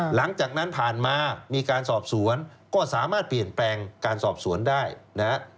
หลังจากนั้นผ่านมามีการสอบสวนก็สามารถเปลี่ยนแปลงการสอบสวนได้นะฮะ